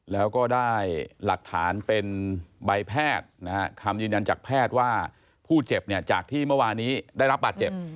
แล้วก็ได้หลักฐานเป็นใบแพทย์นะฮะคำยืนยันจากแพทย์ว่าผู้เจ็บเนี่ยจากที่เมื่อวานี้ได้รับบาดเจ็บ